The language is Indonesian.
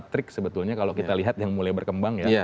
trik sebetulnya kalau kita lihat yang mulai berkembang ya